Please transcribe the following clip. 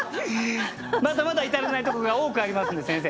まだまだ至らないとこが多くありますんで先生。